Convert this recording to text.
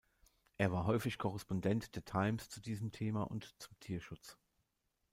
Er war häufig Korrespondent der "Times" zu diesem Thema und zum Tierschutz.